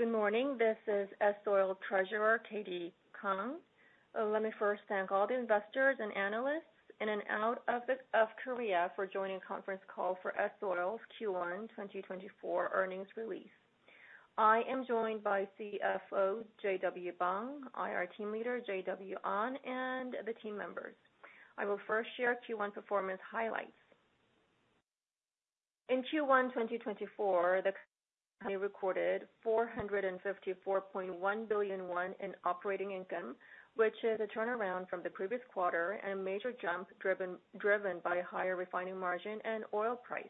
Good morning. This is S-Oil Treasurer, Katie Kang. Let me first thank all the investors and analysts in and out of Korea for joining conference call for S-Oil's Q1 2024 earnings release. I am joined by CFO JW Bang, IR Team Leader JW Ahn, and the team members. I will first share Q1 performance highlights. In Q1 2024, the company recorded 454.1 billion won in operating income, which is a turnaround from the previous quarter and a major jump driven by higher refining margin and oil price.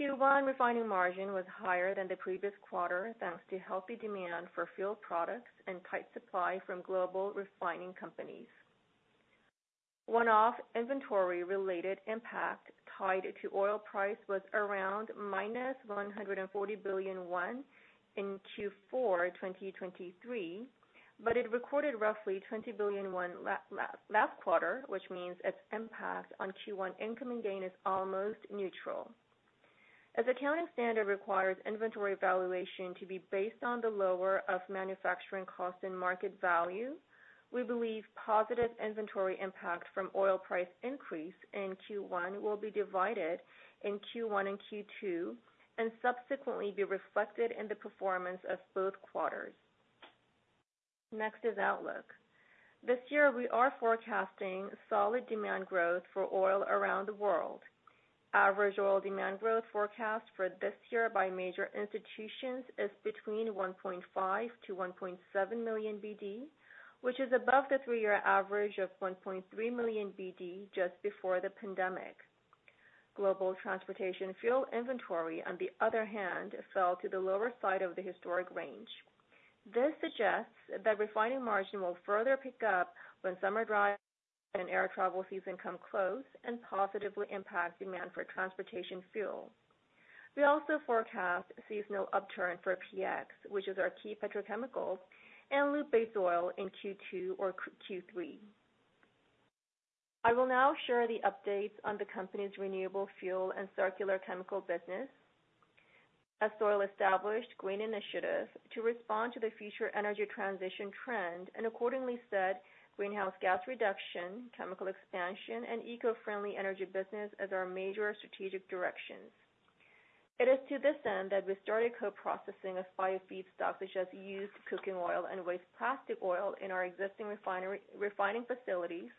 Q1 refining margin was higher than the previous quarter, thanks to healthy demand for fuel products and tight supply from global refining companies. One-off inventory related impact tied to oil price was around -140 billion in Q4 2023, but it recorded roughly 20 billion last quarter, which means its impact on Q1 income and gain is almost neutral. As accounting standard requires inventory valuation to be based on the lower of manufacturing cost and market value, we believe positive inventory impact from oil price increase in Q1 will be divided in Q1 and Q2, and subsequently be reflected in the performance of both quarters. Next is outlook. This year we are forecasting solid demand growth for oil around the world. Average oil demand growth forecast for this year by major institutions is between 1.5 million-1.7 million BD, which is above the three-year average of 1.3 million BD just before the pandemic. Global transportation fuel inventory, on the other hand, fell to the lower side of the historic range. This suggests that refining margin will further pick up when summer drive and air travel season come close and positively impact demand for transportation fuel. We also forecast seasonal upturn for PX, which is our key petrochemical, and lube base oil in Q2 or Q3. I will now share the updates on the company's renewable fuel and circular chemical business. S-Oil established green initiatives to respond to the future energy transition trend, and accordingly set greenhouse gas reduction, chemical expansion, and eco-friendly energy business as our major strategic directions. It is to this end that we started co-processing of bio feedstock, such as used cooking oil and waste plastic oil in our existing refining facilities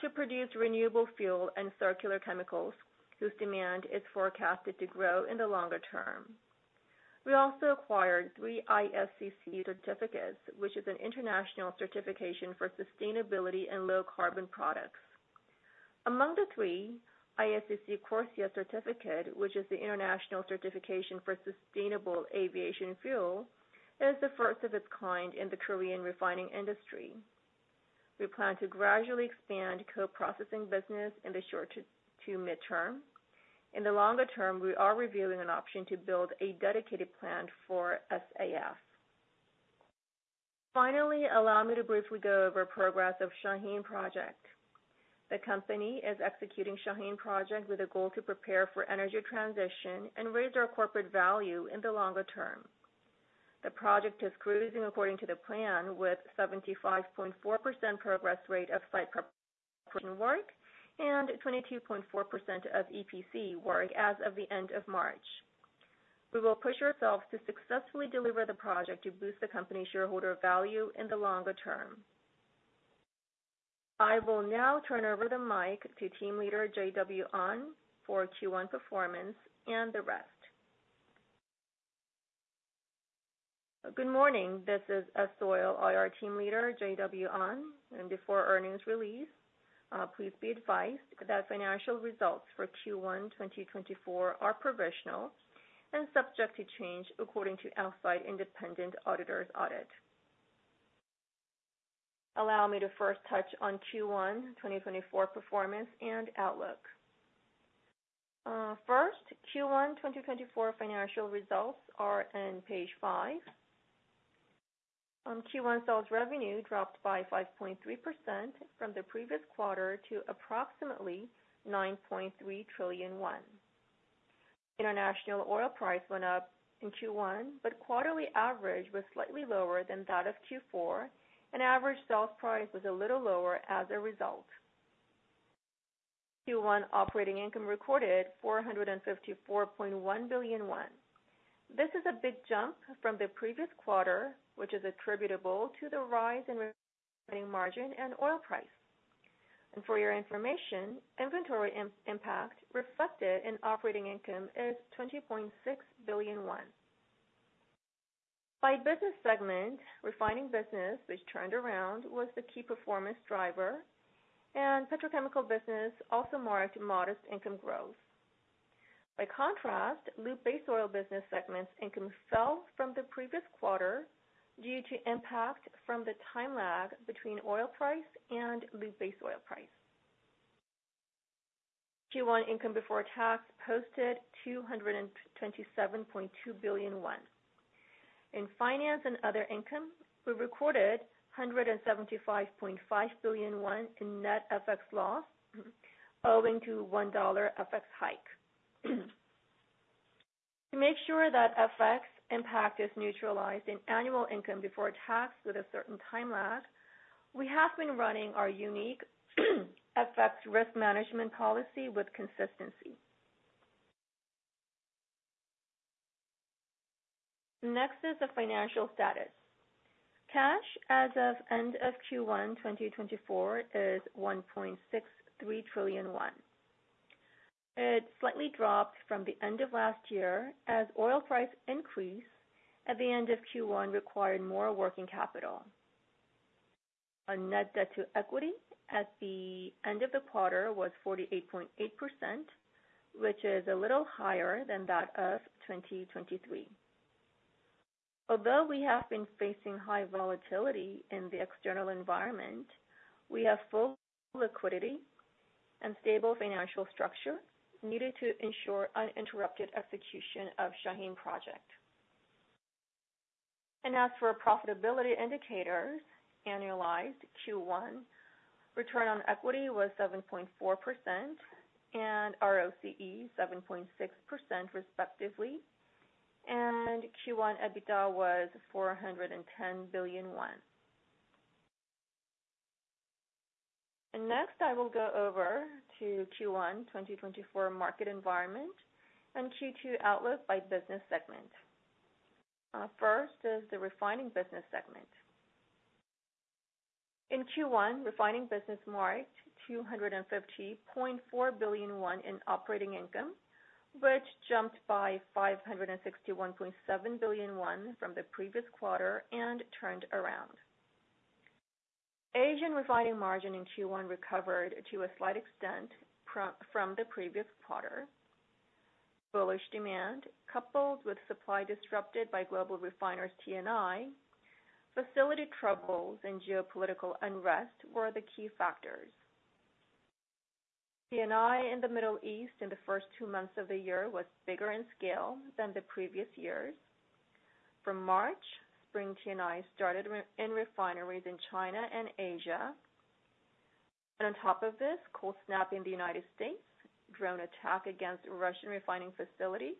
to produce renewable fuel and circular chemicals, whose demand is forecasted to grow in the longer term. We also acquired three ISCC certificates, which is an international certification for sustainability and low carbon products. Among the three, ISCC CORSIA certificate, which is the international certification for sustainable aviation fuel, is the first of its kind in the Korean refining industry. We plan to gradually expand co-processing business in the short to mid-term. In the longer term, we are reviewing an option to build a dedicated plant for SAF. Finally, allow me to briefly go over progress of Shaheen Project. The company is executing Shaheen Project with a goal to prepare for energy transition and raise our corporate value in the longer term. The project is cruising according to the plan with 75.4% progress rate of site preparation work and 22.4% of EPC work as of the end of March. We will push ourselves to successfully deliver the project to boost the company shareholder value in the longer term. I will now turn over the mic to Team Leader JW Ahn for Q1 performance and the rest. Good morning. This is S-Oil IR team leader J.W. Ahn. Before earnings release, please be advised that financial results for Q1 2024 are provisional and subject to change according to outside independent auditor's audit. Allow me to first touch on Q1 2024 performance and outlook. First, Q1 2024 financial results are in page five. Q1 sales revenue dropped by 5.3% from the previous quarter to approximately 9.3 trillion won. International oil price went up in Q1, but quarterly average was slightly lower than that of Q4, and average sales price was a little lower as a result. Q1 operating income recorded 454.1 billion won. This is a big jump from the previous quarter, which is attributable to the rise in refining margin and oil price. For your information, inventory impact reflected in operating income is 20.6 billion won. By business segment, refining business, which turned around, was the key performance driver. Petrochemical business also marked modest income growth. By contrast, lube base oil business segment's income fell from the previous quarter due to impact from the time lag between oil price and lube base oil price. Q1 income before tax posted 227.2 billion. In finance and other income, we recorded 175.5 billion won in net FX loss, owing to 1 FX hike. To make sure that FX impact is neutralized in annual income before tax with a certain timeline, we have been running our unique FX risk management policy with consistency. The financial status. Cash as of end of Q1 2024 is 1.63 trillion won. It slightly dropped from the end of last year as oil price increase at the end of Q1 required more working capital. Our net debt to equity at the end of the quarter was 48.8%, which is a little higher than that of 2023. Although we have been facing high volatility in the external environment, we have full liquidity and stable financial structure needed to ensure uninterrupted execution of Shaheen Project. As for profitability indicators, annualized Q1 return on equity was 7.4%. ROCE 7.6% respectively. Q1 EBITDA was KRW 410 billion. Next, I will go over to Q1 2024 market environment and Q2 outlook by business segment. The refining business segment. In Q1, refining business marked 250.4 billion in operating income, which jumped by 561.7 billion from the previous quarter and turned around. Asian refining margin in Q1 recovered to a slight extent from the previous quarter. Bullish demand, coupled with supply disrupted by global refiners' T&I, facility troubles, and geopolitical unrest were the key factors. T&I in the Middle East in the first two months of the year was bigger in scale than the previous years. From March, spring T&I started in refineries in China and Asia. On top of this, cold snap in the U.S., drone attack against Russian refining facilities,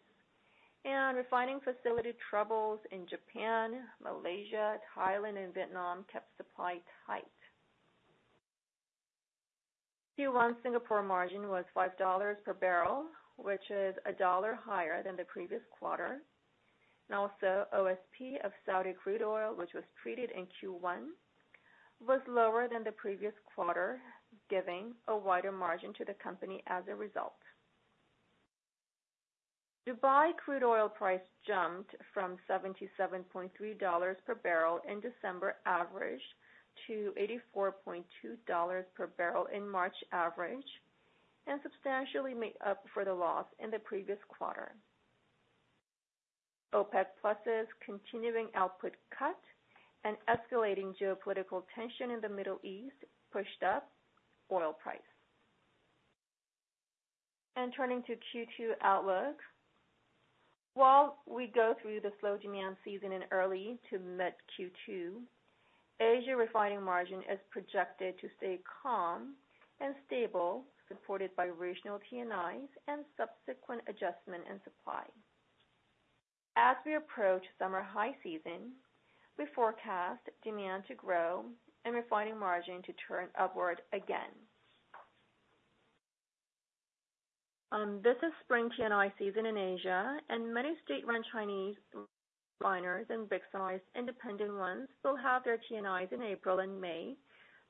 and refining facility troubles in Japan, Malaysia, Thailand, and Vietnam kept supply tight. Q1 Singapore margin was $5 per barrel, which is $1 higher than the previous quarter. Also OSP of Saudi crude oil, which was treated in Q1, was lower than the previous quarter, giving a wider margin to the company as a result. Dubai crude oil price jumped from $77.3 per barrel in December average to $84.2 per barrel in March average, substantially made up for the loss in the previous quarter. OPEC+'s continuing output cut and escalating geopolitical tension in the Middle East pushed up oil price. Turning to Q2 outlook. While we go through the slow demand season in early to mid-Q2, Asia refining margin is projected to stay calm and stable, supported by regional T&Is and subsequent adjustment in supply. As we approach summer high season, we forecast demand to grow and refining margin to turn upward again. This is spring T&I season in Asia, many state-run Chinese refiners and big-size independent ones will have their T&Is in April and May,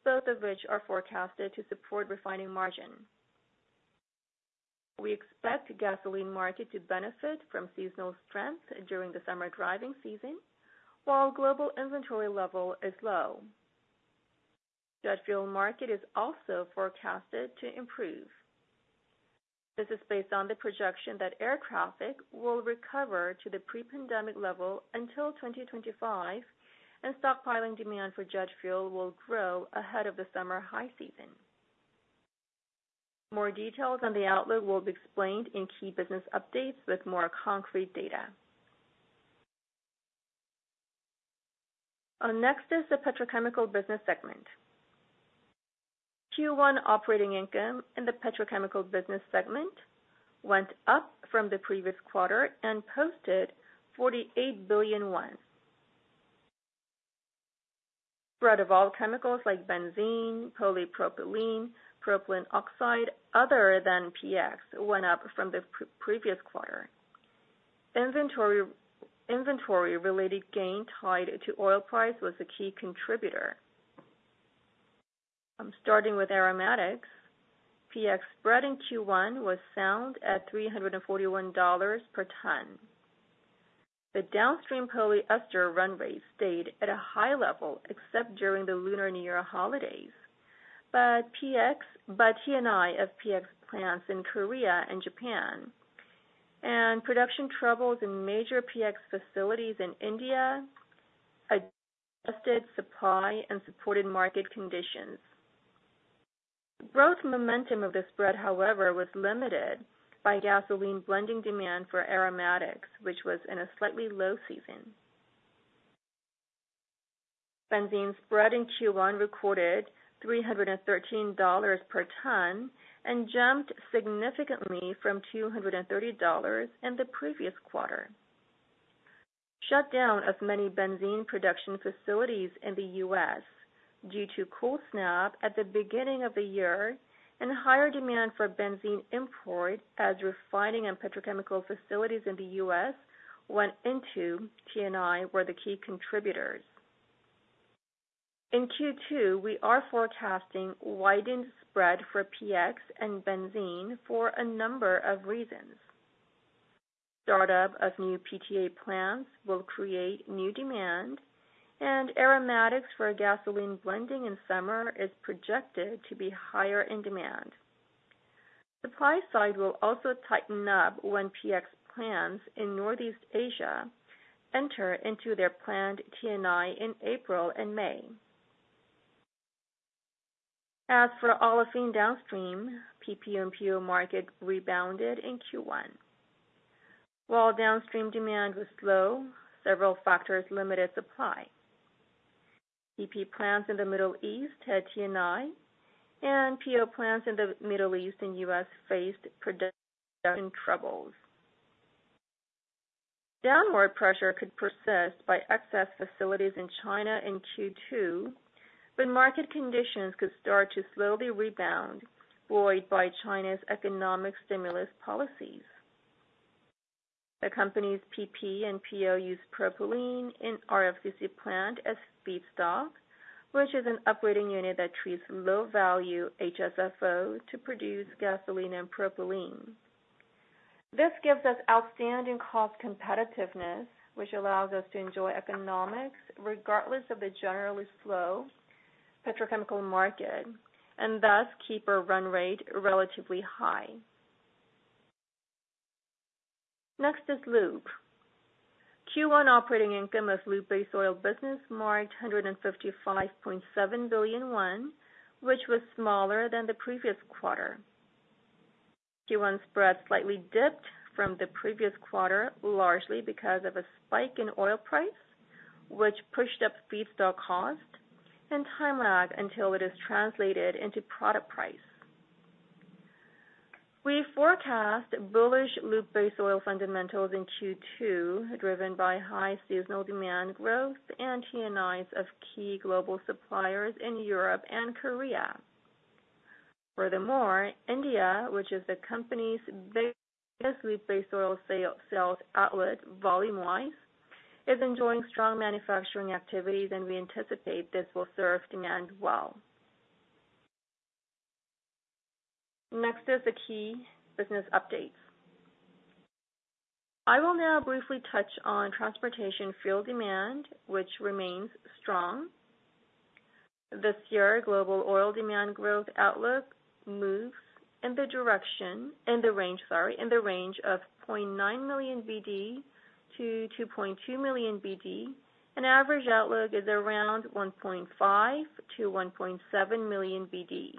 both of which are forecasted to support refining margin. We expect gasoline market to benefit from seasonal strength during the summer driving season, while global inventory level is low. Jet fuel market is also forecasted to improve. This is based on the projection that air traffic will recover to the pre-pandemic level until 2025, stockpiling demand for jet fuel will grow ahead of the summer high season. More details on the outlook will be explained in key business updates with more concrete data. Next is the petrochemical business segment. Q1 operating income in the petrochemical business segment went up from the previous quarter and posted KRW 48 billion. Spread of all chemicals like benzene, polypropylene, propylene oxide other than PX went up from the previous quarter. Inventory-related gain tied to oil price was a key contributor. Starting with aromatics, PX spread in Q1 was sound at 341 dollars per ton. The downstream polyester run rate stayed at a high level except during the Lunar New Year holidays. T&I of PX plants in Korea and Japan and production troubles in major PX facilities in India adjusted supply and supported market conditions. Growth momentum of the spread, however, was limited by gasoline blending demand for aromatics, which was in a slightly low season. Benzene spread in Q1 recorded 313 dollars per ton and jumped significantly from 230 dollars in the previous quarter. Shutdown of many benzene production facilities in the U.S. due to cold snap at the beginning of the year, higher demand for benzene import as refining and petrochemical facilities in the U.S. went into T&I were the key contributors. In Q2, we are forecasting widened spread for PX and benzene for a number of reasons. Startup of new PTA plants will create new demand, aromatics for gasoline blending in summer is projected to be higher in demand. Supply side will also tighten up when PX plants in Northeast Asia enter into their planned T&I in April and May. As for olefin downstream, PP and PO market rebounded in Q1. While downstream demand was slow, several factors limited supply. PP plants in the Middle East had T&I, PO plants in the Middle East and U.S. faced production troubles. Downward pressure could persist by excess facilities in China in Q2, market conditions could start to slowly rebound, buoyed by China's economic stimulus policies. The company's PP and PO use propylene in RFCC plant as feedstock, which is an upgrading unit that treats low-value HSFO to produce gasoline and propylene. This gives us outstanding cost competitiveness, which allows us to enjoy economics regardless of the generally slow petrochemical market, and thus keep our run rate relatively high. Next is lube. Q1 operating income of lube base oil business marked 155.7 billion won, which was smaller than the previous quarter. Q1 spread slightly dipped from the previous quarter, largely because of a spike in oil price, which pushed up feedstock cost and time lag until it is translated into product price. We forecast bullish lube base oil fundamentals in Q2, driven by high seasonal demand growth and T&Is of key global suppliers in Europe and Korea. Furthermore, India, which is the company's biggest lube base oil sales outlet volume-wise, is enjoying strong manufacturing activities, and we anticipate this will serve demand well. Next is the key business updates. I will now briefly touch on transportation fuel demand, which remains strong. This year, global oil demand growth outlook moves in the range of 0.9 million BD-2.2 million BD. An average outlook is around 1.5 million BD-1.7 million BD.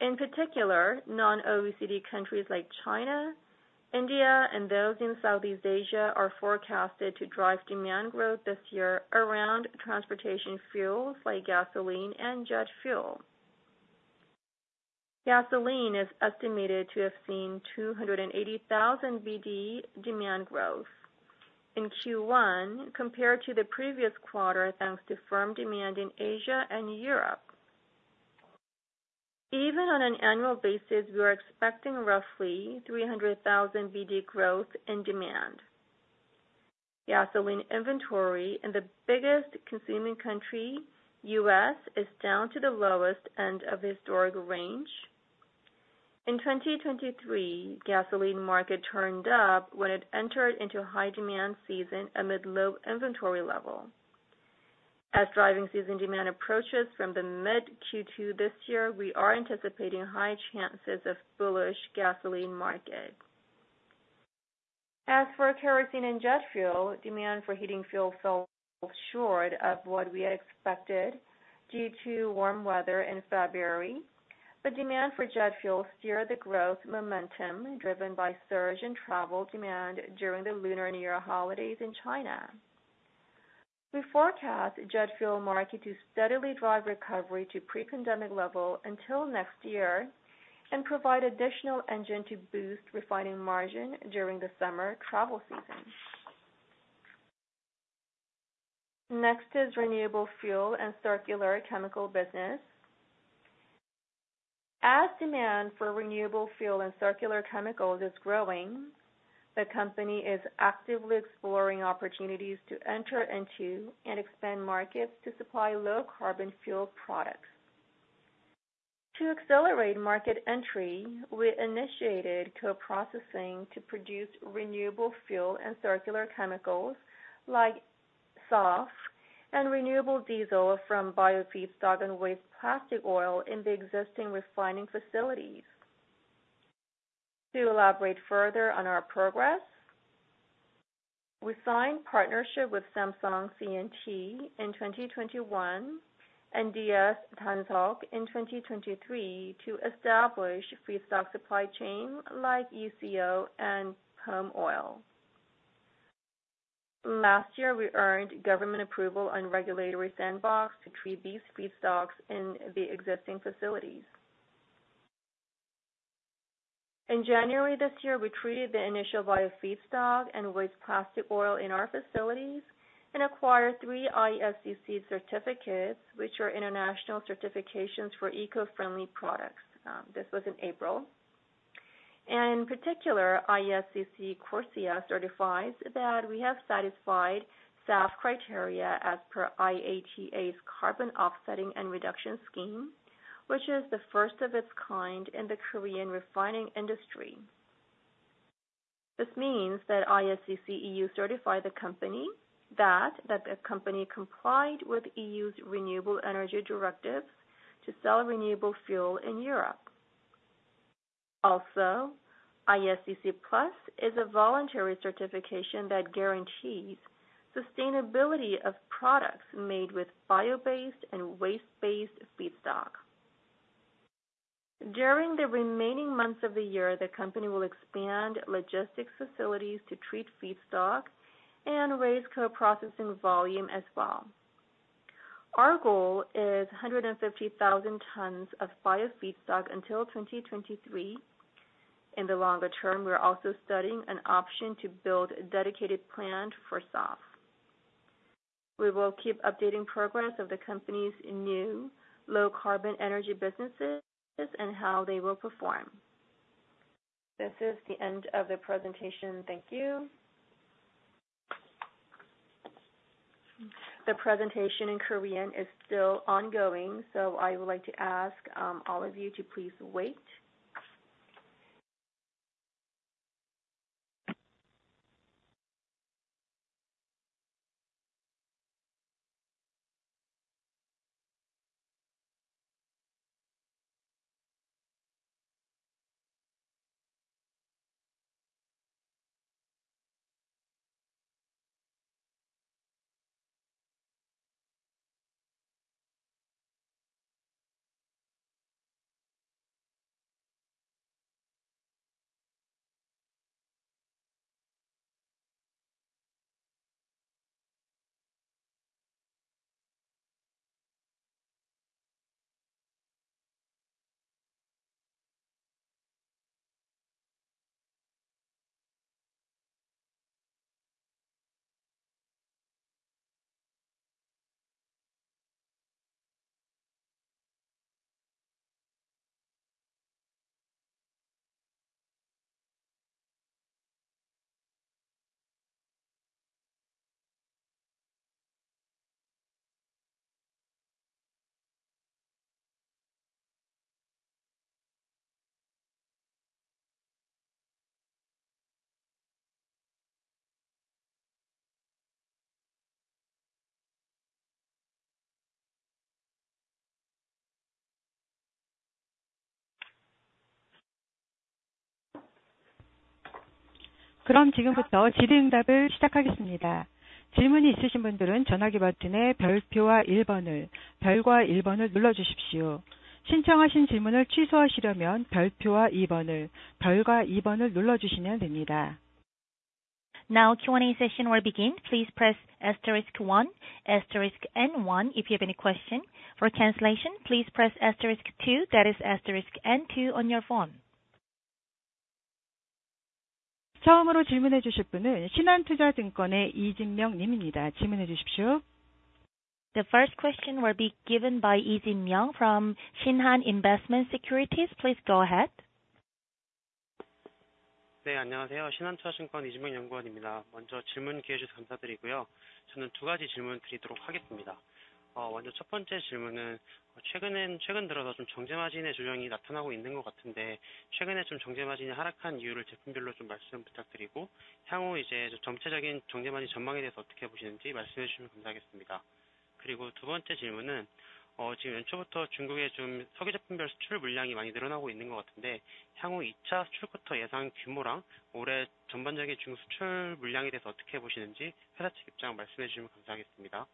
In particular, non-OECD countries like China, India, and those in Southeast Asia are forecasted to drive demand growth this year around transportation fuels like gasoline and jet fuel. Gasoline is estimated to have seen 280,000 BD demand growth in Q1 compared to the previous quarter, thanks to firm demand in Asia and Europe. Even on an annual basis, we are expecting roughly 300,000 BD growth in demand. Gasoline inventory in the biggest consuming country, U.S., is down to the lowest end of the historical range. In 2023, gasoline market turned up when it entered into a high-demand season amid low inventory level. As driving season demand approaches from the mid-Q2 this year, we are anticipating high chances of bullish gasoline market. As for kerosene and jet fuel, demand for heating fuel fell short of what we had expected due to warm weather in February. Demand for jet fuel steered the growth momentum, driven by surge in travel demand during the Lunar New Year holidays in China. We forecast jet fuel market to steadily drive recovery to pre-pandemic level until next year and provide additional engine to boost refining margin during the summer travel season. Next is renewable fuel and circular chemical business. As demand for renewable fuel and circular chemicals is growing, the company is actively exploring opportunities to enter into and expand markets to supply low-carbon fuel products. To accelerate market entry, we initiated co-processing to produce renewable fuel and circular chemicals like SAF and renewable diesel from bio feedstock and waste plastic oil in the existing refining facilities. To elaborate further on our progress, we signed partnership with Samsung C&T in 2021 and Dansuk in 2023 to establish feedstock supply chain like UCO and palm oil. Last year, we earned government approval on regulatory sandbox to treat these feedstocks in the existing facilities. In January this year, we treated the initial bio feedstock and waste plastic oil in our facilities and acquired three ISCC certificates, which are international certifications for eco-friendly products. This was in April. In particular, ISCC CORSIA certifies that we have satisfied SAF criteria as per IATA's carbon offsetting and reduction scheme, which is the first of its kind in the Korean refining industry. This means that ISCC EU certified the company that complied with EU's Renewable Energy Directive to sell renewable fuel in Europe. ISCC Plus is a voluntary certification that guarantees sustainability of products made with bio-based and waste-based feedstock. During the remaining months of the year, the company will expand logistics facilities to treat feedstock and raise co-processing volume as well. Our goal is 150,000 tons of bio feedstock until 2023. In the longer term, we are also studying an option to build a dedicated plant for SAF. We will keep updating progress of the company's new low carbon energy businesses and how they will perform. This is the end of the presentation. Thank you. The presentation in Korean is still ongoing, so I would like to ask all of you to please wait. Q&A session will begin. Please press asterisk one, asterisk and one, if you have any question. For cancellation, please press asterisk two, that is asterisk and two on your phone. The first question will be given by I Jin Myung from Shinhan Investment Securities. Please go ahead.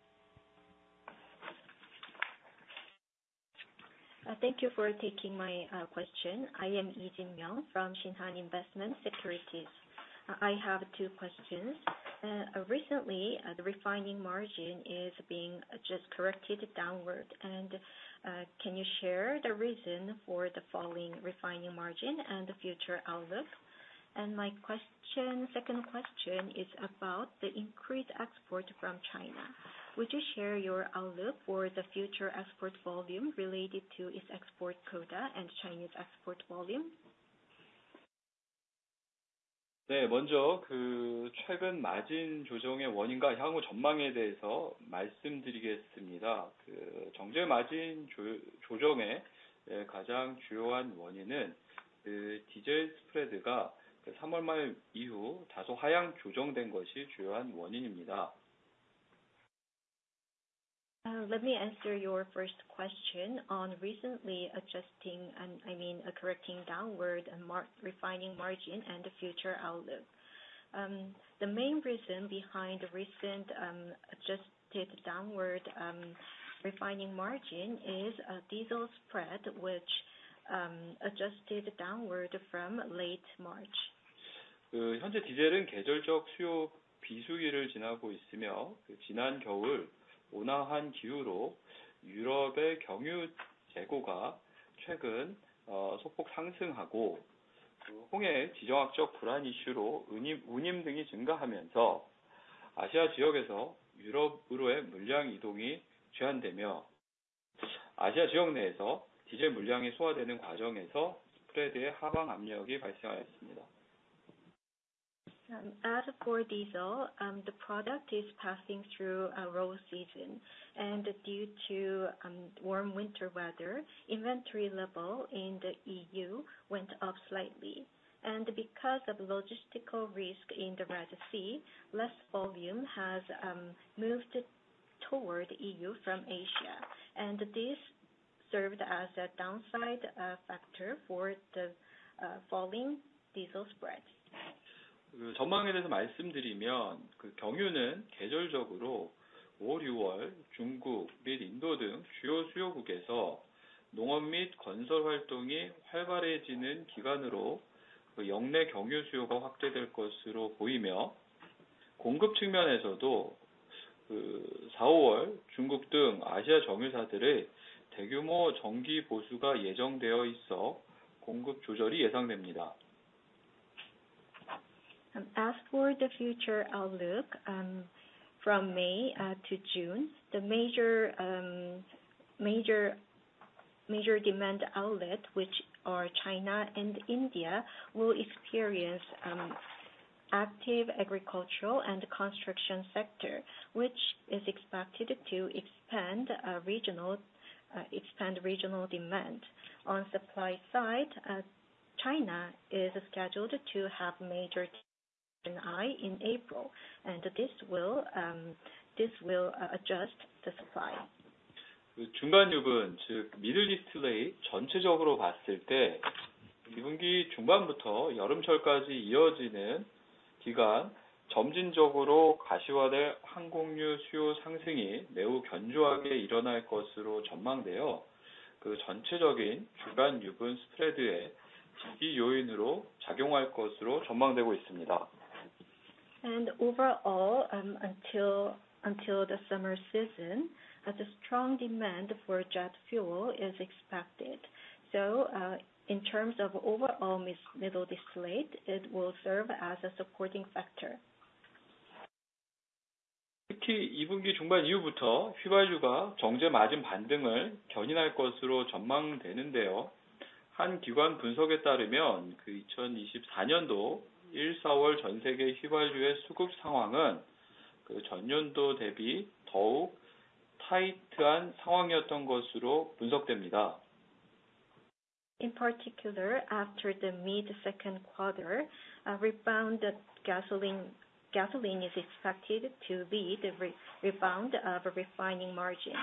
Thank you for taking my question. I am I Jin Myung from Shinhan Investment Securities. I have two questions. Recently, the refining margin is being just corrected downward. Can you share the reason for the falling refining margin and the future outlook? My second question is about the increased export from China. Would you share your outlook for the future export volume related to its export quota and Chinese export volume? Let me answer your first question on recently adjusting, I mean, correcting downward refining margin and the future outlook. The main reason behind recent adjusted downward refining margin is a diesel spread, which adjusted downward from late March. 현재 디젤은 계절적 수요 비수기를 지나고 있으며, 지난 겨울 온화한 기후로 유럽의 경유 재고가 최근 소폭 상승하고 홍해의 지정학적 불안 이슈로 운임 등이 증가하면서 아시아 지역에서 유럽으로의 물량 이동이 제한되며, 아시아 지역 내에서 디젤 물량이 소화되는 과정에서 스프레드의 하방 압력이 발생하였습니다. As for diesel, the product is passing through a low season, due to warm winter weather, inventory level in the EU went up slightly. Because of logistical risk in the Red Sea, less volume has moved toward EU from Asia. This served as a downside factor for the falling diesel spread. 전망에 대해서 말씀드리면, 경유는 계절적으로 5, 6월 중국 및 인도 등 주요 수요국에서 농업 및 건설 활동이 활발해지는 기간으로 역내 경유 수요가 확대될 것으로 보이며, 공급 측면에서도 4, 5월 중국 등 아시아 정유사들의 대규모 정기 보수가 예정되어 있어 공급 조절이 예상됩니다. As for the future outlook, from May to June, the major demand outlet, which are China and India, will experience active agricultural and construction sector, which is expected to expand regional demand. On supply side, China is scheduled to have major turn-around in April, this will adjust the supply. 중간유분, 즉 Middle Distillate 전체적으로 봤을 때, 2분기 중반부터 여름철까지 이어지는 기간 점진적으로 가시화될 항공유 수요 상승이 매우 견조하게 일어날 것으로 전망되어 전체적인 중간유분 스프레드에 지지 요인으로 작용할 것으로 전망되고 있습니다. Overall, until the summer season, a strong demand for jet fuel is expected. In terms of overall Middle Distillate, it will serve as a supporting factor. 특히 2분기 중반 이후부터 휘발유가 정제 마진 반등을 견인할 것으로 전망되는데요. 한 기관 분석에 따르면, 2024년도 1, 4월 전 세계 휘발유의 수급 상황은 전년도 대비 더욱 타이트한 상황이었던 것으로 분석됩니다. In particular, after the mid second quarter, a rebound of gasoline is expected to be the rebound of a refining margin.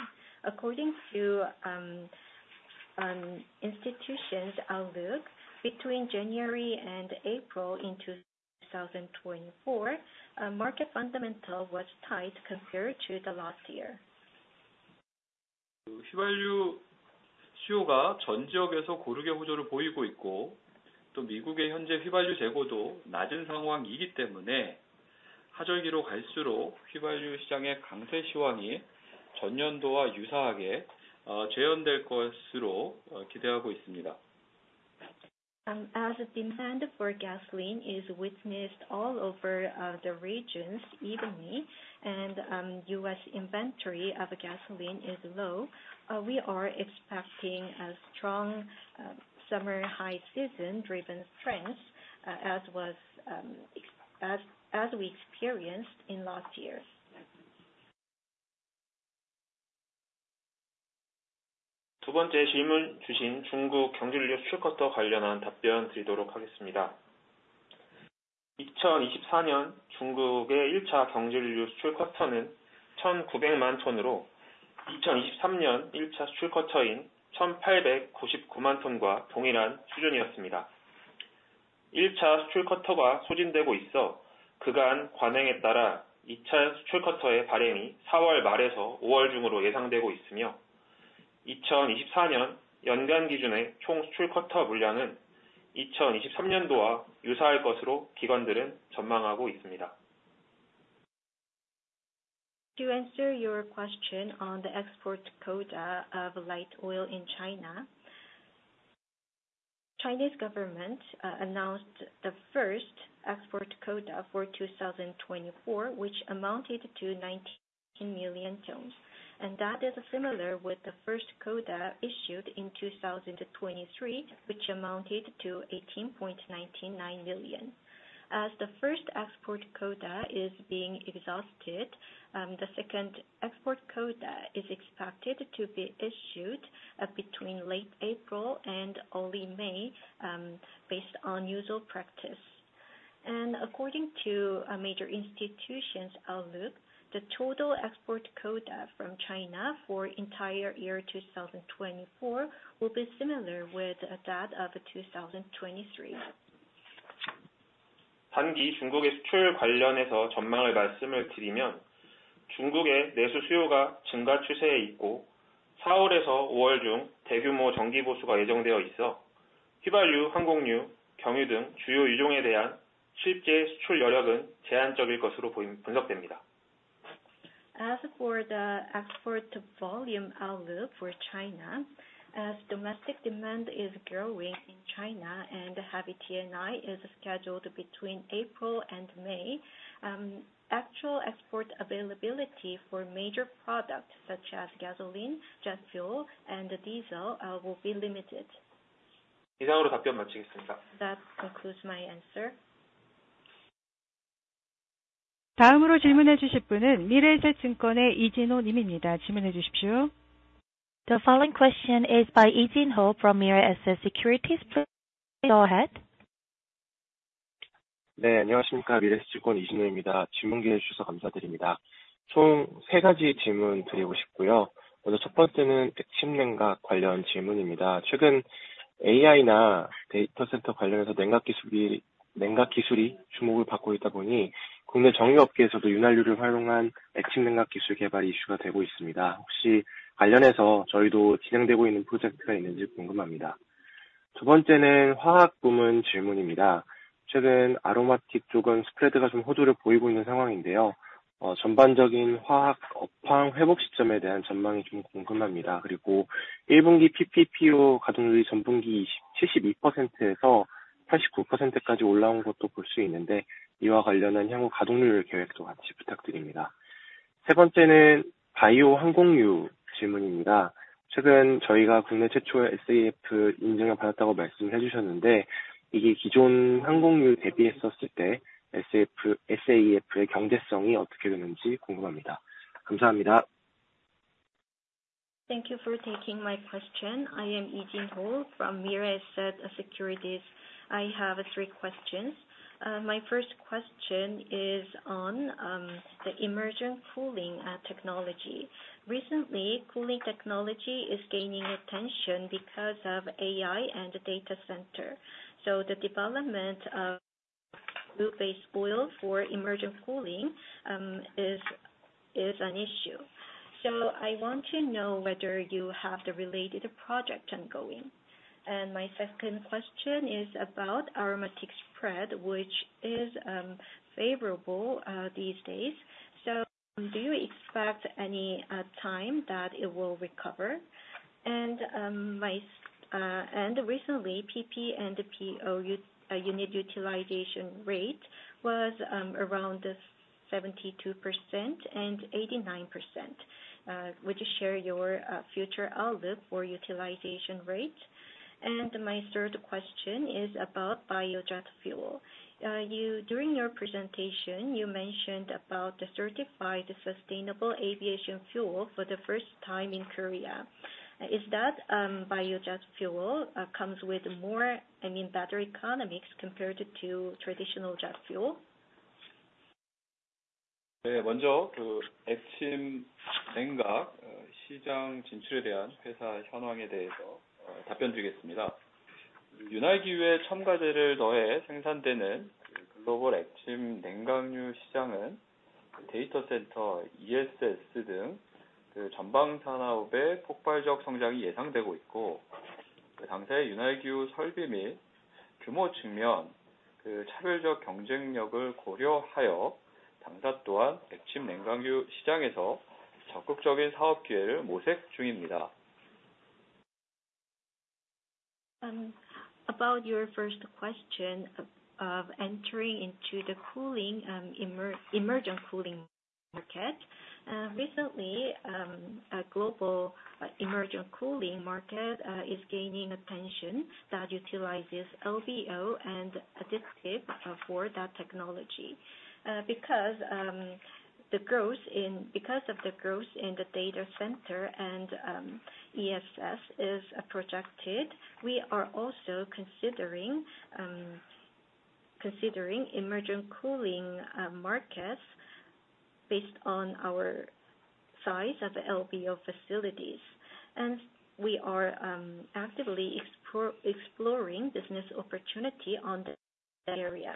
According to institutions outlook, between January and April in 2024, market fundamental was tight compared to the last year. 휘발유 수요가 전 지역에서 고르게 호조를 보이고 있고, 또 미국의 현재 휘발유 재고도 낮은 상황이기 때문에 하절기로 갈수록 휘발유 시장의 강세 상황이 전년도와 유사하게 재현될 것으로 기대하고 있습니다. Demand for gasoline is witnessed all over the regions evenly, U.S. inventory of gasoline is low, we are expecting a strong summer high season-driven trends as we experienced in last years. 두 번째 질문 주신 중국 경질유 수출 쿼터 관련한 답변드리도록 하겠습니다. 2024년 중국의 1차 경질유 수출 쿼터는 1,900만 톤으로 2023년 1차 수출 쿼터인 1,899만 톤과 동일한 수준이었습니다. 1차 수출 쿼터가 소진되고 있어 그간 관행에 따라 2차 수출 쿼터의 발행이 4월 말에서 5월 중으로 예상되고 있으며, 2024년 연간 기준의 총 수출 쿼터 물량은 2023년도와 유사할 것으로 기관들은 전망하고 있습니다. To answer your question on the export quota of light oil in China. Chinese government announced the first export quota for 2024, which amounted to 19 million tons, that is similar with the first quota issued in 2023, which amounted to 18.99 million. As the first export quota is being exhausted, the second export quota is expected to be issued between late April and early May based on usual practice. According to major institutions outlook, the total export quota from China for entire year 2024 will be similar with that of 2023. 단기 중국의 수출 관련해서 전망을 말씀을 드리면, 중국의 내수 수요가 증가 추세에 있고 4월에서 5월 중 대규모 정기 보수가 예정되어 있어 휘발유, 항공유, 경유 등 주요 유종에 대한 실제 수출 여력은 제한적일 것으로 분석됩니다. For the export volume outlook for China, as domestic demand is growing in China and heavy T&I is scheduled between April and May, actual export availability for major products such as gasoline, jet fuel, and diesel will be limited. 이상으로 답변 마치겠습니다. That concludes my answer. 다음으로 질문해 주실 분은 미래에셋증권의 이진호 님입니다. 질문해 주십시오. The following question is by Jinho Lee from Mirae Asset Securities. Please go ahead. 안녕하십니까. 미래에셋증권 이진호입니다. 질문 기회 주셔서 감사드립니다. 총세 가지 질문드리고 싶고요. 먼저 첫 번째는 액침 냉각 관련 질문입니다. 최근 AI나 데이터센터 관련해서 냉각 기술이 주목을 받고 있다 보니 국내 정유업계에서도 윤활유를 활용한 액침 냉각 기술 개발이 이슈가 되고 있습니다. 혹시 관련해서 저희도 진행되고 있는 프로젝트가 있는지 궁금합니다. 두 번째는 화학 부문 질문입니다. 최근 아로마틱 쪽은 스프레드가 좀 호조를 보이고 있는 상황인데요. 전반적인 화학 업황 회복 시점에 대한 전망이 좀 궁금합니다. 그리고 1분기 PP/PO 가동률이 전분기 72%에서 89%까지 올라온 것도 볼수 있는데, 이와 관련한 향후 가동률 계획도 같이 부탁드립니다. 세 번째는 바이오 항공유 질문입니다. 최근 저희가 국내 최초의 SAF 인증을 받았다고 말씀을 해주셨는데, 이게 기존 항공유 대비했을 때 SAF의 경제성이 어떻게 되는지 궁금합니다. 감사합니다. Thank you for taking my question. I am Jinho Lee from Mirae Asset Securities. I have three questions. My first question is on the emergent cooling technology. Recently, cooling technology is gaining attention because of AI and data center. The development of group-based oil for emergent cooling is an issue. I want to know whether you have the related project ongoing. My second question is about aromatic spread, which is favorable these days. Do you expect any time that it will recover? Recently, PP and PO unit utilization rate was around 72% and 89%. Would you share your future outlook for utilization rates? My third question is about biojet fuel. During your presentation, you mentioned about the certified sustainable aviation fuel for the first time in Korea. Is that biojet fuel comes with more, I mean, better economics compared to traditional jet fuel? 네, 먼저 액침 냉각 시장 진출에 대한 회사 현황에 대해서 답변드리겠습니다. 윤활기유에 첨가제를 더해 생산되는 글로벌 액침 냉각유 시장은 데이터센터, ESS 등 전방 산업의 폭발적 성장이 예상되고 있고, 당사의 윤활기유 설비 및 규모 측면, 차별적 경쟁력을 고려하여 당사 또한 액침 냉각유 시장에서 적극적인 사업 기회를 모색 중입니다. About your first question of entering into the emergent cooling market. Recently, global emergent cooling market is gaining attention that utilizes LBO and additive for that technology. Because of the growth in the data center and ESS is projected, we are also considering emergent cooling markets based on our size of LBO facilities. We are actively exploring business opportunity on that area.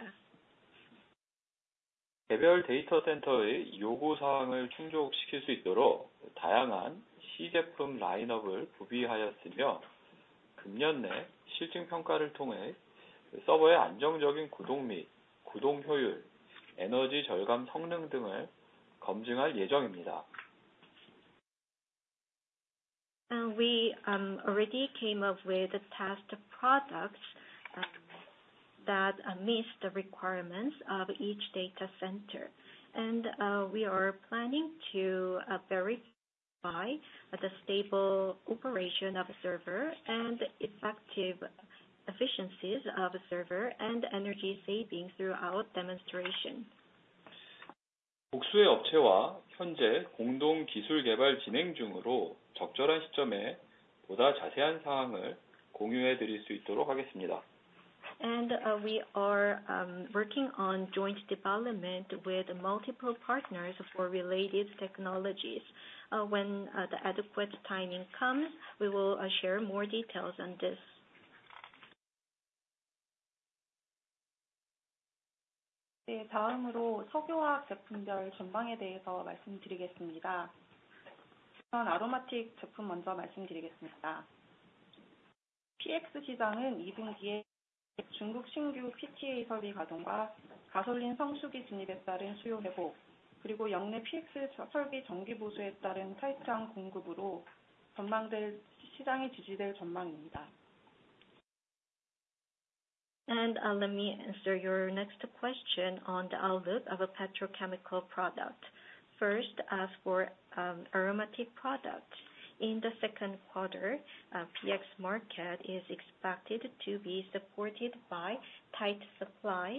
개별 데이터센터의 요구사항을 충족시킬 수 있도록 다양한 시제품 라인업을 구비하였으며, 금년 내 실증 평가를 통해 서버의 안정적인 구동 및 구동 효율, 에너지 절감 성능 등을 검증할 예정입니다. We already came up with test products that meet the requirements of each data center. We are planning to verify the stable operation of a server and effective efficiencies of a server and energy savings throughout demonstration. 복수의 업체와 현재 공동 기술 개발 진행 중으로 적절한 시점에 보다 자세한 사항을 공유해 드릴 수 있도록 하겠습니다. We are working on joint development with multiple partners for related technologies. When the adequate timing comes, we will share more details on this. 다음으로 석유화학 제품별 전망에 대해서 말씀드리겠습니다. 우선 아로마틱 제품 먼저 말씀드리겠습니다. PX 시장은 2분기에 중국 신규 PTA 설비 가동과 가솔린 성수기 진입에 따른 수요 회복, 그리고 역내 PX 설비 정기 보수에 따른 타이트한 공급으로 시장이 지지될 전망입니다. Let me answer your next question on the outlook of a petrochemical product. First, as for aromatic product. In the second quarter, PX market is expected to be supported by tight supply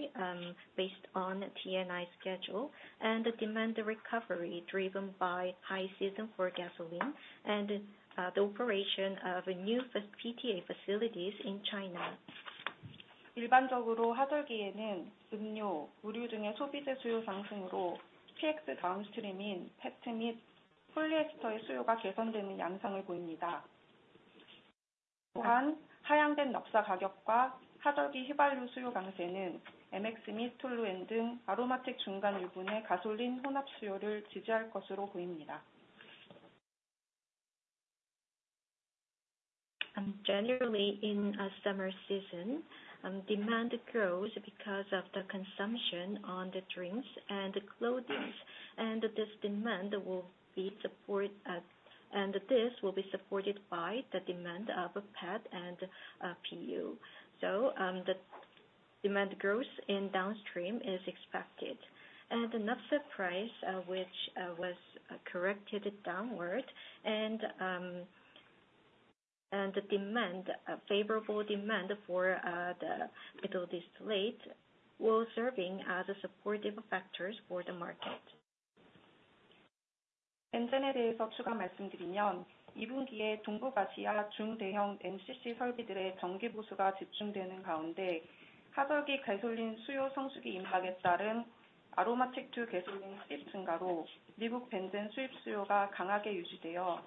based on T&I schedule and demand recovery driven by high season for gasoline and the operation of new PTA facilities in China. 일반적으로 하절기에는 음료, 의류 등의 소비재 수요 상승으로 PX downstream인 PET 및 폴리에스터의 수요가 개선되는 양상을 보입니다. 또한 하향된 납사 가격과 하절기 휘발유 수요 강세는 MX 및 톨루엔 등 아로마틱 중간 유분의 가솔린 혼합 수요를 지지할 것으로 보입니다. Generally, in summer season, demand grows because of the consumption on the drinks and clothings, and this demand will be supported by the demand of PET and PU. The demand growth in downstream is expected. Naphtha price, which was corrected downward. The favorable demand for the Middle Distillate will serving as a supportive factors for the market. 벤젠에 대해서 추가 말씀드리면, 2분기에 동북아시아 중대형 NCC 설비들의 정기 보수가 집중되는 가운데, 하절기 가솔린 수요 성수기 임박에 따른 아로마틱 to 가솔린 스왑 증가로 미국 벤젠 수입 수요가 강하게 유지되어,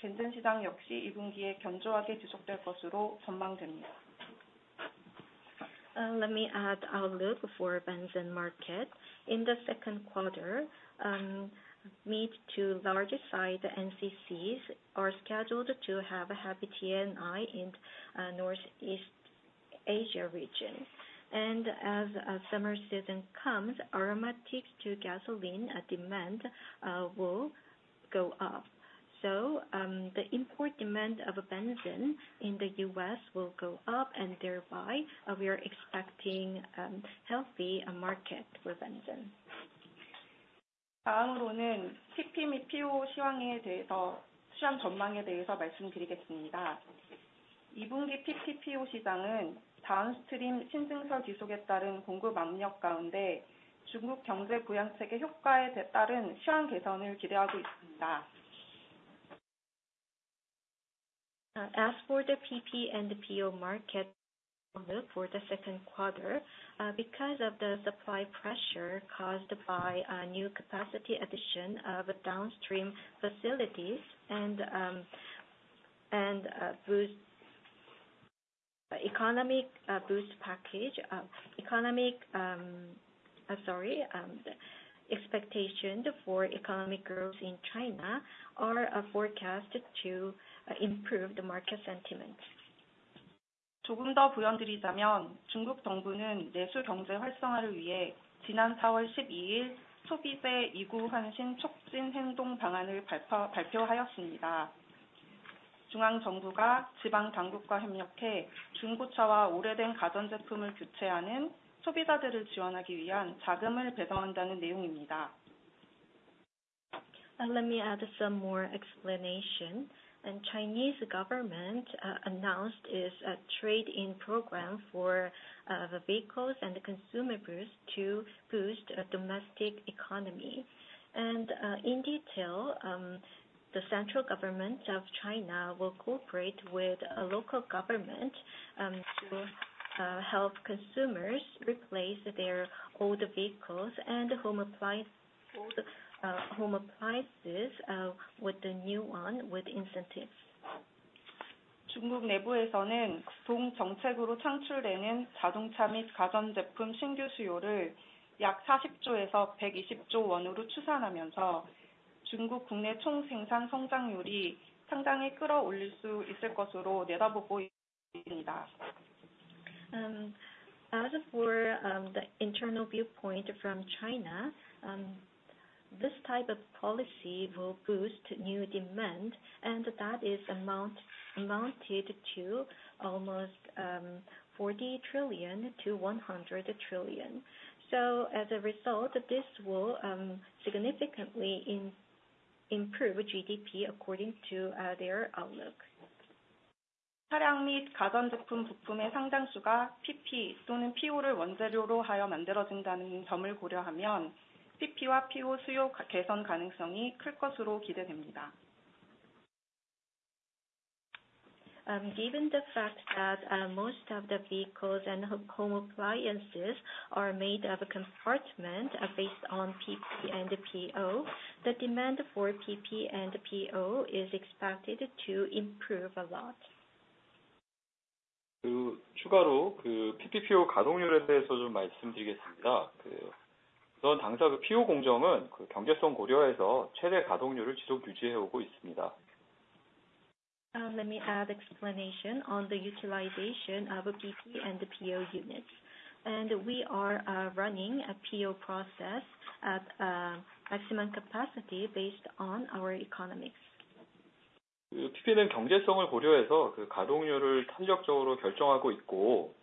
벤젠 시장 역시 2분기에 견조하게 지속될 것으로 전망됩니다. Let me add outlook for benzene market. In the second quarter, mid to larger size NCCs are scheduled to have a happy T&I in Northeast Asia region. As summer season comes, aromatics to gasoline demand will go up. The import demand of benzene in the U.S. will go up, and thereby we are expecting healthy market for benzene. 다음으로는 PP 및 PO 시황 전망에 대해서 말씀드리겠습니다. 2분기 PP, PO 시장은 downstream 신증설 지속에 따른 공급 압력 가운데, 중국 경제 부양책의 효과에 따른 시황 개선을 기대하고 있습니다. As for the PP and the PO market outlook for the second quarter, because of the supply pressure caused by new capacity addition of downstream facilities and economic boost package. Expectation for economic growth in China are forecast to improve the market sentiment. 조금 더 부연드리자면, 중국 정부는 내수 경제 활성화를 위해 지난 4월 12일 소비재 2구 환신 촉진 행동 방안을 발표하였습니다. 중앙정부가 지방당국과 협력해 중고차와 오래된 가전제품을 교체하는 소비자들을 지원하기 위한 자금을 배정한다는 내용입니다. Let me add some more explanation. Chinese government announced its trade-in program for the vehicles and consumer goods to boost domestic economy. In detail, the central government of China will cooperate with local government to help consumers replace their old vehicles and home appliances with the new one with incentives. 중국 내부에서는 동 정책으로 창출되는 자동차 및 가전제품 신규 수요를 약 40조에서 120조 원으로 추산하면서, 중국 국내 총생산 성장률이 상당히 끌어올릴 수 있을 것으로 내다보고 있습니다. As for the internal viewpoint from China, this type of policy will boost new demand, and that is amounted to almost 40 trillion-100 trillion. As a result, this will significantly improve GDP according to their outlook. 차량 및 가전제품 부품의 상당수가 PP 또는 PO를 원재료로 하여 만들어진다는 점을 고려하면 PP와 PO 수요 개선 가능성이 클 것으로 기대됩니다. Given the fact that most of the vehicles and home appliances are made of a compartment based on PP and PO, the demand for PP and PO is expected to improve a lot. 추가로 PP/PO 가동률에 대해서 말씀드리겠습니다. 우선 당사 PO 공정은 경제성 고려에서 최대 가동률을 지속 유지해 오고 있습니다. Let me add explanation on the utilization of PP and the PO units. We are running a PO process at maximum capacity based on our economics. PP는 경제성을 고려해서 가동률을 탄력적으로 결정하고 있고,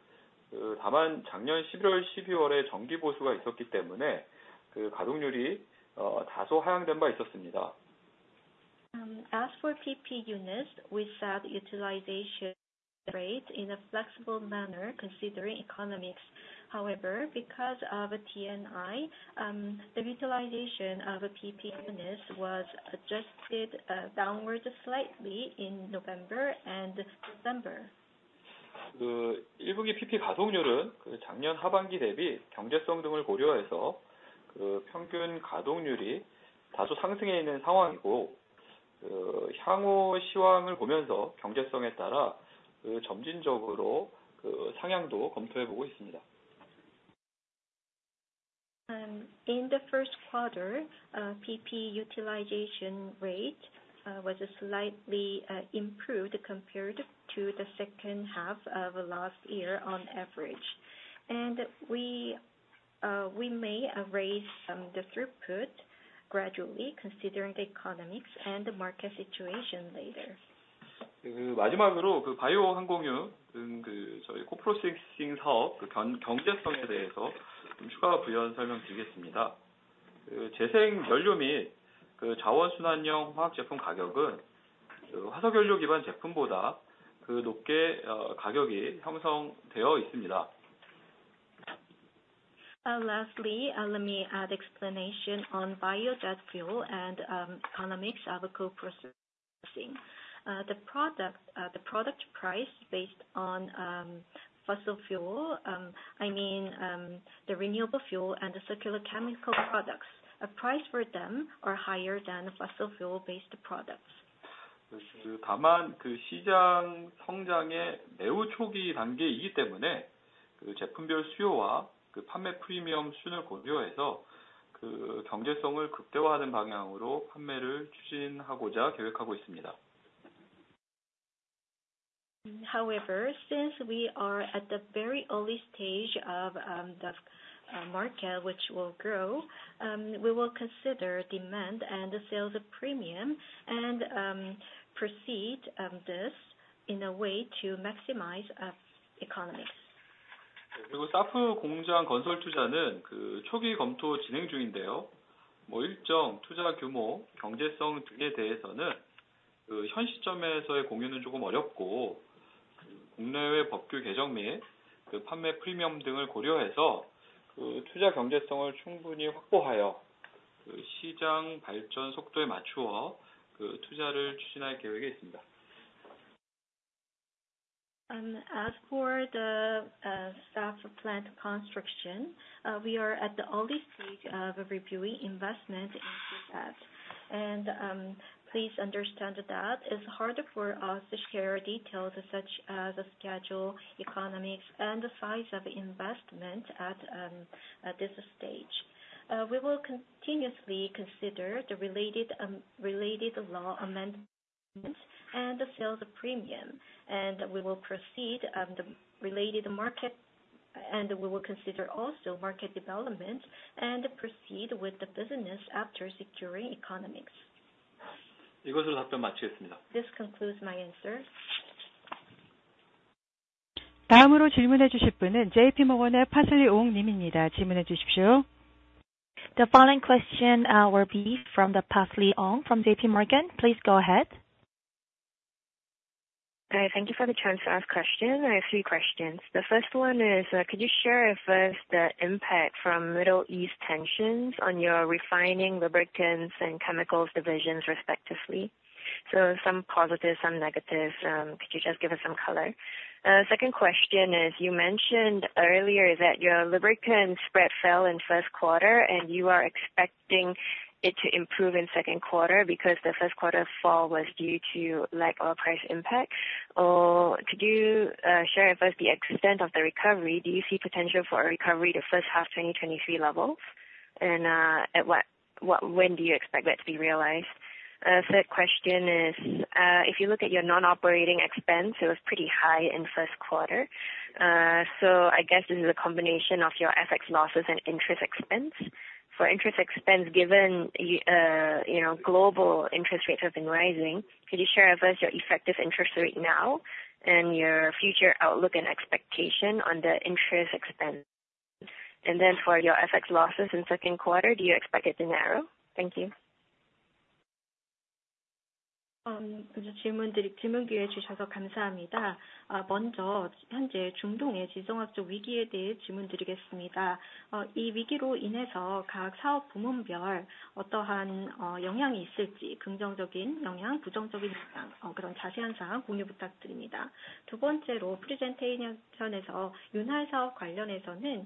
다만 작년 11월, 12월에 정기 보수가 있었기 때문에 가동률이 다소 하향된 바 있었습니다. As for PP units, we set utilization rates in a flexible manner considering economics. However, because of T&I, the utilization of PP units was adjusted downwards slightly in November and December. 1분기 PP 가동률은 작년 하반기 대비 경제성 등을 고려해서 평균 가동률이 다소 상승해 있는 상황이고, 향후 시황을 보면서 경제성에 따라 점진적으로 상향도 검토해 보고 있습니다. In the first quarter, PP utilization rate was slightly improved compared to the second half of last year on average. We may raise the throughput gradually considering the economics and the market situation later. 마지막으로 바이오 항공유 등 저희 코프로세싱 사업 경제성에 대해서 추가 부연 설명드리겠습니다. 재생 연료 및 자원 순환형 화학 제품 가격은 화석 연료 기반 제품보다 높게 가격이 형성되어 있습니다. Lastly, let me add explanation on biojet fuel and economics of a co-processing. The product price based on fossil fuel, I mean, the renewable fuel and the circular chemical products, a price for them are higher than fossil fuel based products. 다만, 시장 성장의 매우 초기 단계이기 때문에 제품별 수요와 판매 프리미엄 수준을 고려해서 경제성을 극대화하는 방향으로 판매를 추진하고자 계획하고 있습니다. However, since we are at the very early stage of the market, which will grow, we will consider demand and the sales premium and proceed this in a way to maximize our economics. SAF 공장 건설 투자는 초기 검토 진행 중인데요. 일정 투자 규모, 경제성 등에 대해서는 현 시점에서의 공유는 조금 어렵고, 국내외 법규 개정 및 판매 프리미엄 등을 고려해서 투자 경제성을 충분히 확보하여 시장 발전 속도에 맞추어 투자를 추진할 계획에 있습니다. As for the SAF plant construction, we are at the early stage of reviewing investment into that. Please understand that it's hard for us to share details such as schedule, economics, and size of investment at this stage. We will continuously consider the related law amendments and the sales premium, and we will proceed the related market. We will consider also market development and proceed with the business after securing economics. 이것으로 답변 마치겠습니다. This concludes my answer. 다음으로 질문해 주실 분은 JPMorgan의 Parsley Ong님입니다. 질문해 주십시오. The following question will be from Parsley Ong from JPMorgan. Please go ahead. Thank you for the chance to ask question. I have three questions. The first one is, could you share with us the impact from Middle East tensions on your refining lubricants and chemicals divisions respectively? Some positive, some negative. Could you just give us some color? Second question is, you mentioned earlier that your lubricant spread fell in first quarter and you are expecting it to improve in second quarter because the first quarter fall was due to lack oil price impact. Could you share with us the extent of the recovery? Do you see potential for a recovery to first half 2023 levels? When do you expect that to be realized? Third question is, if you look at your Non-Operating Expense, it was pretty high in first quarter. I guess this is a combination of your FX losses and interest expense. For interest expense, given global interest rates have been rising, could you share with us your effective interest rate now and your future outlook and expectation on the interest expense? And then for your FX losses in second quarter, do you expect it to narrow? Thank you. 질문 기회 주셔서 감사합니다. 먼저 현재 중동의 지정학적 위기에 대해 질문드리겠습니다. 이 위기로 인해서 각 사업 부문별 어떠한 영향이 있을지, 긍정적인 영향, 부정적인 영향, 그런 자세한 사항 공유 부탁드립니다. 두 번째로 프리젠테이션에서 윤활 사업 관련해서는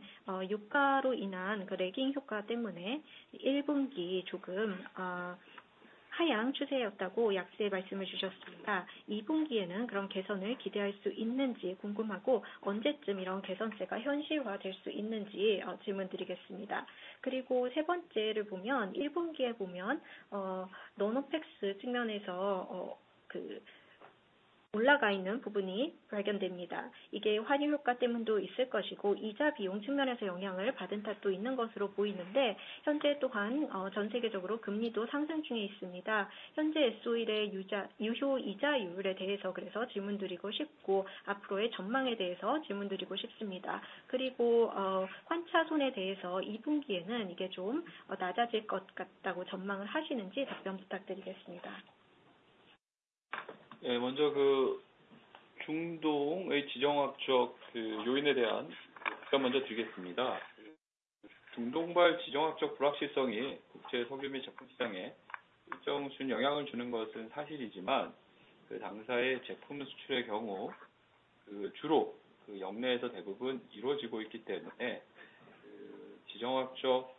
유가로 인한 레깅 효과 때문에 1분기 조금 하향 추세였다고 앞서 말씀을 주셨습니다. 2분기에는 그런 개선을 기대할 수 있는지 궁금하고, 언제쯤 이런 개선세가 현실화될 수 있는지 질문드리겠습니다. 그리고 세 번째를 보면, 1분기에 Non-Operating Expense 측면에서 올라가 있는 부분이 발견됩니다. 이게 환율 효과 때문도 있을 것이고, 이자 비용 측면에서 영향을 받은 탓도 있는 것으로 보이는데 현재 또한 전 세계적으로 금리도 상승 중에 있습니다. 현재 S-Oil의 유효 이자율에 대해서 질문드리고 싶고, 앞으로의 전망에 대해서 질문드리고 싶습니다. 그리고 환차손에 대해서 2분기에는 이게 좀 낮아질 것 같다고 전망을 하시는지 답변 부탁드리겠습니다. 먼저 중동의 지정학적 요인에 대한 답변 먼저 드리겠습니다. 중동발 지정학적 불확실성이 국제 석유 및 제품 시장에 일정 수준 영향을 주는 것은 사실이지만, 당사의 제품 수출의 경우 주로 역내에서 대부분 이루어지고 있기 때문에, 지정학적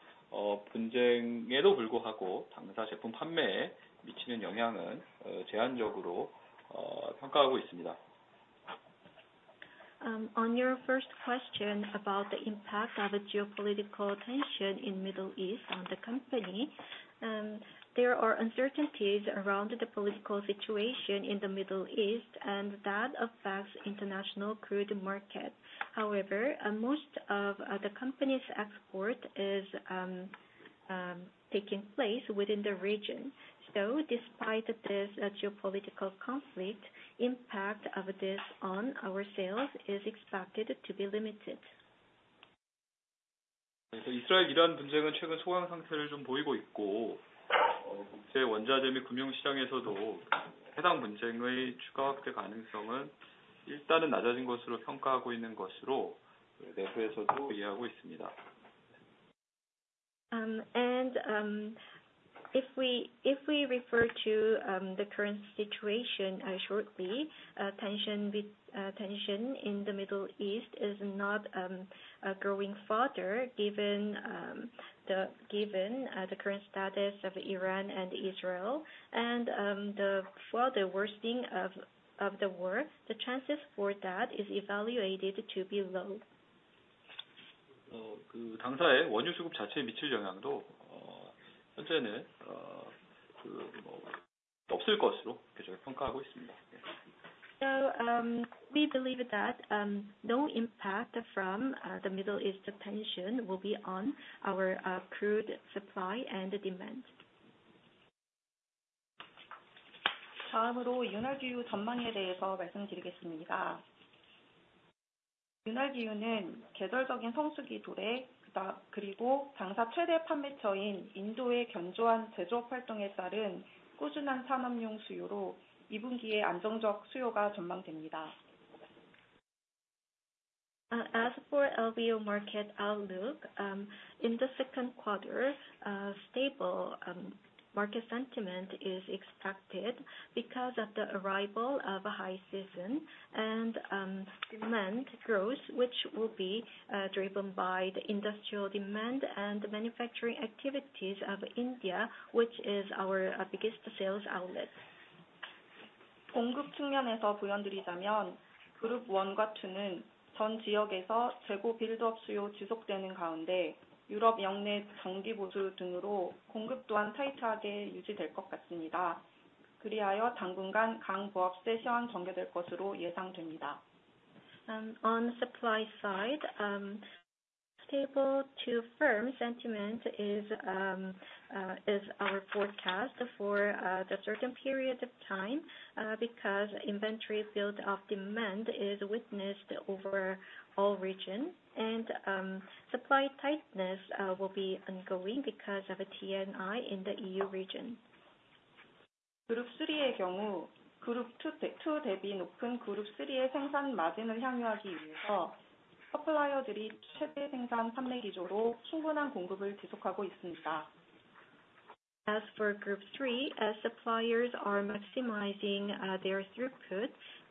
분쟁에도 불구하고 당사 제품 판매에 미치는 영향은 제한적으로 평가하고 있습니다. On your first question about the impact of geopolitical tension in Middle East on the company. There are uncertainties around the political situation in the Middle East, and that affects international crude market. However, most of the company's export is taking place within the region. Despite this geopolitical conflict, impact of this on our sales is expected to be limited. 이스라엘-이란 분쟁은 최근 소강 상태를 좀 보이고 있고, 국제 원자재 및 금융 시장에서도 해당 분쟁의 추가 확대 가능성은 일단은 낮아진 것으로 평가하고 있는 것으로 내부에서도 이해하고 있습니다. If we refer to the current situation shortly, tension in the Middle East is not growing further given the current status of Iran and Israel. For the worsening of the war, the chances for that is evaluated to be low. 당사의 원유 수급 자체에 미칠 영향도 현재는 없을 것으로 계속 평가하고 있습니다. We believe that no impact from the Middle East tension will be on our crude supply and demand. 다음으로 윤활기유 전망에 대해서 말씀드리겠습니다. 윤활기유는 계절적인 성수기 도래, 그리고 당사 최대 판매처인 인도의 견조한 제조업 활동에 따른 꾸준한 산업용 수요로 2분기에 안정적 수요가 전망됩니다. As for LBO market outlook, in the second quarter, stable market sentiment is expected because of the arrival of a high season and demand growth, which will be driven by the industrial demand and manufacturing activities of India, which is our biggest sales outlet. 공급 측면에서 부연드리자면 Group I과 Group II는 전 지역에서 재고 빌드업 수요 지속되는 가운데 유럽 역내 장기 보수 등으로 공급 또한 타이트하게 유지될 것 같습니다. 그리하여 당분간 강보합세 현상 전개될 것으로 예상됩니다. On the supply side, stable to firm sentiment is our forecast for the certain period of time because inventory build-up demand is witnessed over all regions. Supply tightness will be ongoing because of a T&I in the EU region. Group III의 경우 Group II 대비 높은 Group III의 생산 마진을 향유하기 위해서, supplier들이 최대 생산 판매 기조로 충분한 공급을 지속하고 있습니다. As for Group III, suppliers are maximizing their throughput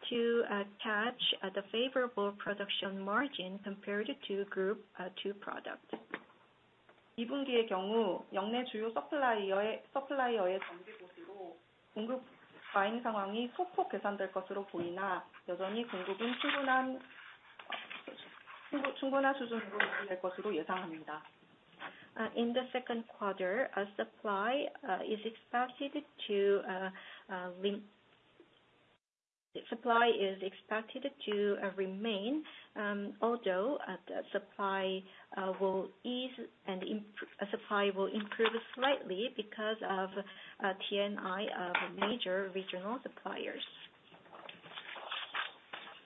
to catch the favorable production margin compared to Group II product. 2분기의 경우 역내 주요 supplier의 장기 보수로 공급 과잉 상황이 소폭 개선될 것으로 보이나 여전히 공급은 충분한 수준으로 유지될 것으로 예상합니다. In the second quarter, supply is expected to remain, although supply will improve slightly because of T&I of major regional suppliers.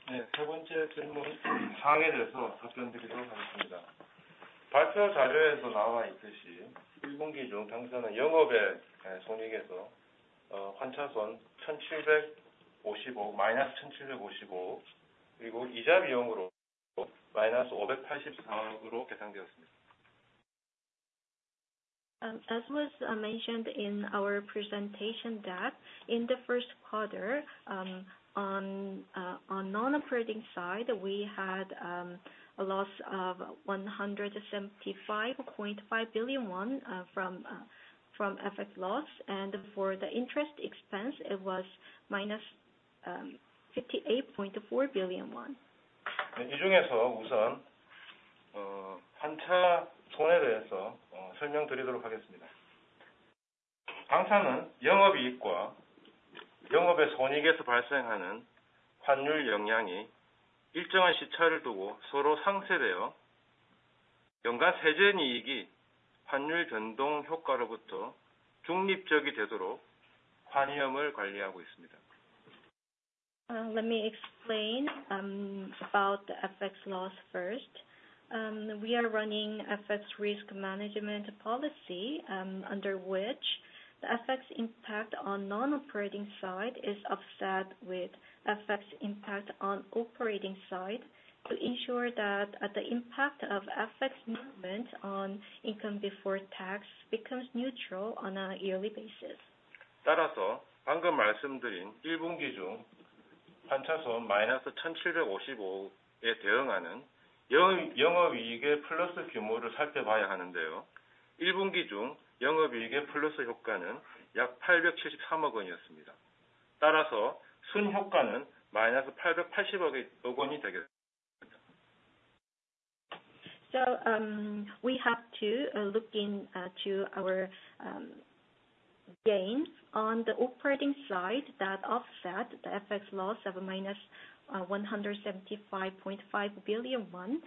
세 번째 질문, 상해에 대해서 답변드리도록 하겠습니다. 발표 자료에서 나와 있듯이 1분기 중 당사는 영업외 손익에서 환차손 -1,755억, 그리고 이자 비용으로 -584억으로 계산되었습니다. As was mentioned in our presentation that in the first quarter, on non-operating side, we had a loss of 175.5 billion won from FX loss, and for the interest expense, it was minus 58.4 billion won. 이 중에서 우선 환차손에 대해서 설명드리도록 하겠습니다. 당사는 영업이익과 영업외 손익에서 발생하는 환율 영향이 일정한 시차를 두고 서로 상쇄되어 연간 세전이익이 환율 변동 효과로부터 중립적이 되도록 환율을 관리하고 있습니다. Let me explain about the FX loss first. We are running FX risk management policy under which the FX impact on non-operating side is offset with FX impact on operating side to ensure that the impact of FX movement on income before tax becomes neutral on a yearly basis. 따라서 방금 말씀드린 1분기 중 환차손 -1,755억 원에 대응하는 영업이익의 플러스 규모를 살펴봐야 하는데요. 1분기 중 영업이익의 플러스 효과는 약 873억 원이었습니다. 따라서 순효과는 -880억 원이 되겠습니다. We have to look into our gains on the operating side that offset the FX loss of -175.5 billion won.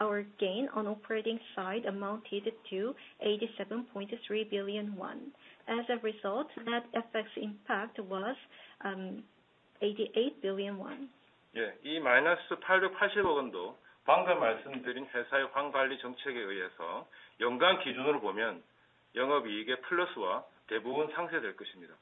Our gain on operating side amounted to 87.3 billion won. As a result, net FX impact was 88 billion won. 이 -880억 원도 방금 말씀드린 회사의 환 관리 정책에 의해서 연간 기준으로 보면 영업이익의 플러스와 대부분 상쇄될 것입니다.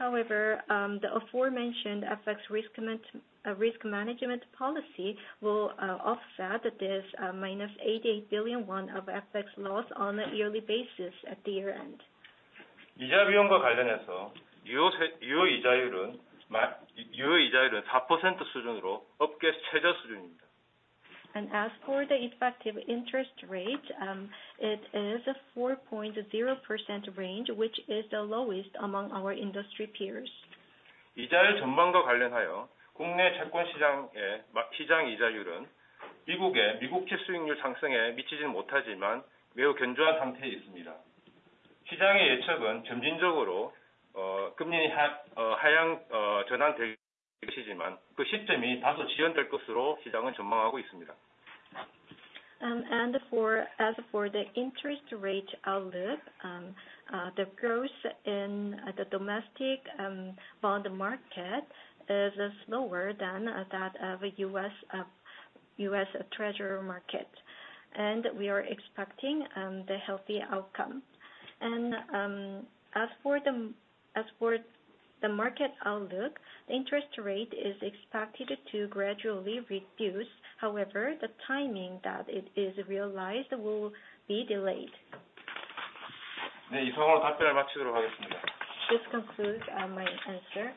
However, the aforementioned FX risk management policy will offset this -88 billion won of FX loss on a yearly basis at the year-end. 이자 비용과 관련해서 유효 이자율은 4% 수준으로 업계 최저 수준입니다. As for the effective interest rate, it is 4.0% range, which is the lowest among our industry peers. 이자율 전망과 관련하여 국내 채권 시장의 시장 이자율은 미국채 수익률 상승에 미치진 못하지만 매우 견조한 상태에 있습니다. 시장의 예측은 점진적으로 금리 하향 전환되겠지만, 그 시점이 다소 지연될 것으로 시장은 전망하고 있습니다. As for the interest rate outlook, the growth in the domestic bond market is slower than that of U.S. Treasury market, and we are expecting the healthy outcome. As for the market outlook, interest rate is expected to gradually reduce. However, the timing that it is realized will be delayed. 네, 이상으로 답변을 마치도록 하겠습니다. This concludes my answer.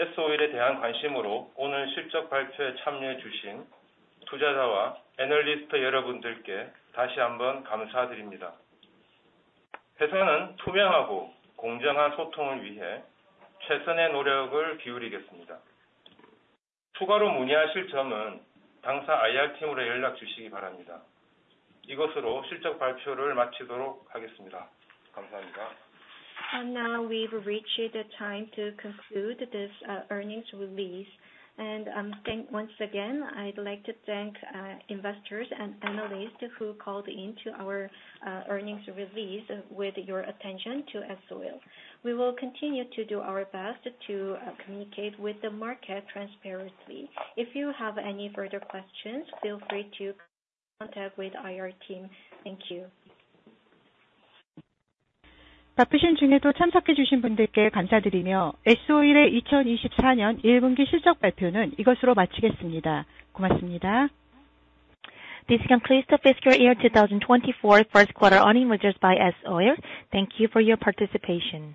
예, 어느덧 약속한 시간이 지난 것 같습니다. S-Oil에 대한 관심으로 오늘 실적 발표에 참여해 주신 투자자와 애널리스트 여러분들께 다시 한번 감사드립니다. 회사는 투명하고 공정한 소통을 위해 최선의 노력을 기울이겠습니다. 추가로 문의하실 점은 당사 IR팀으로 연락 주시기 바랍니다. 이것으로 실적 발표를 마치도록 하겠습니다. 감사합니다. Now, we've reached the time to conclude this earnings release. Once again, I'd like to thank investors and analysts who called in to our earnings release with your attention to S-Oil. We will continue to do our best to communicate with the market transparency. If you have any further questions, feel free to contact with IR team. Thank you. 바쁘신 중에도 참석해 주신 분들께 감사드리며, S-Oil의 2024년 1분기 실적 발표는 이것으로 마치겠습니다. 고맙습니다. This concludes the fiscal year 2024 first quarter earnings results by S-Oil. Thank you for your participation.